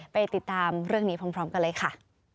ไปติดตามเรื่องนี้พร้อมกันเลยค่ะ